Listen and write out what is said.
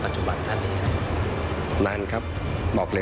สวัสดีครับทุกคน